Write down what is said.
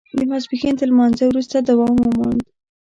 د ماسپښین تر لمانځه وروسته دوام وموند.